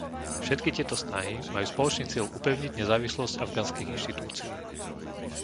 Všetky tieto snahy majú spoločný cieľ upevniť nezávislosť afganských inštitúcií.